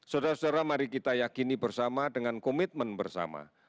saudara saudara mari kita yakini bersama dengan komitmen bersama